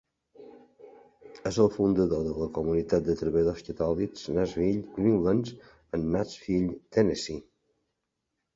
És el fundador de la comunitat de treballadors catòlics Nashville Greenlands, en Nashville, Tennessee.